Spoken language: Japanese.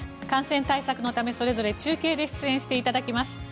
感染対策のため、それぞれ中継で出演していただきます。